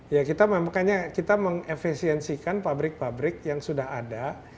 ya kita makanya kita mengefesiensikan pabrik pabrik yang sudah ada